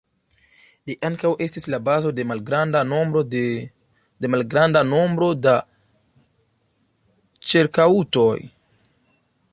Ĝi ankaŭ estis la bazo de malgranda nombro da ĉerk-aŭtoj.